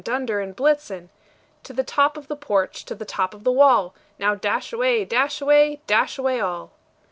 Dunder and Blitzen To the top of the porch, to the top of the wall! Now, dash away, dash away, dash away all!"